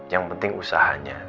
yang penting usahanya